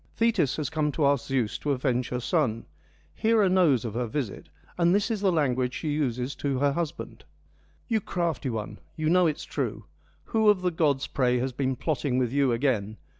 Thetis has come to ask Zeus to avenge her son : Hera knows of 20 FEMINISM IN GREEK LITERATURE her visit, and this is the language she uses to her husband : You crafty one — you know it's true ; who of the gods, pray, has been plotting with you again